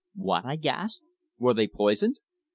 "What?" I gasped. "Were they poisoned?"